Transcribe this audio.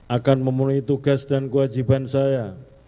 akan memenuhi tugas dan kewajiban saya